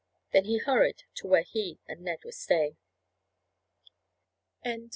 Then he hurried to where he and Ned were staying.